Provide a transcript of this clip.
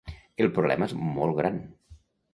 El problema és molt gran.